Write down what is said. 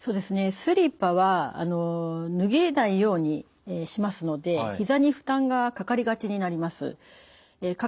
スリッパは脱げないようにしますのでひざに負担がかかりがちになります。